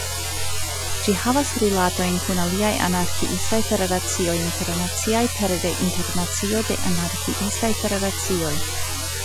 Ĝi havas rilatojn kun aliaj anarkiistaj federacioj internaciaj pere de Internacio de Anarkiistaj Federacioj.